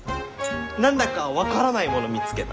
何だか分からないもの見つけた。